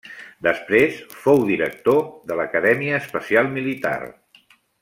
Després fou director de l'Acadèmia Especial Militar.